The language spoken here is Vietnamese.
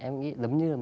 em nghĩ giống như